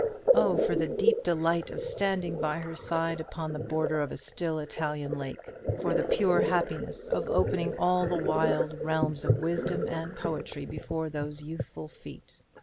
Oh, for the deep delight of standing by her side upon the border of a still Italian lake; for the pure happiness of opening all the wild realms of wisdom and poetry before those youthful feet!